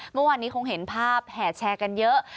เมื่อวานนี้คงเห็นภาพแห่แชร์กันเยอะ